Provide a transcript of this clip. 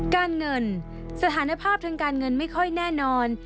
การเงินสถานภาพทางการเงินไม่ค่อยแน่นอน